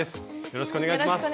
よろしくお願いします。